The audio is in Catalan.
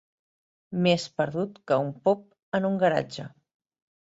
Més perdut que un pop en un garatge.